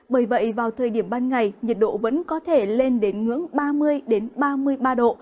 bởi vậy vào thời điểm ban ngày nhiệt độ vẫn có thể lên đến ngưỡng ba mươi ba mươi ba độ